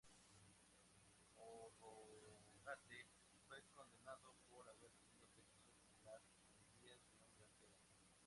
Harrogate fue condenado por haber tenido sexo con las sandías de un granjero.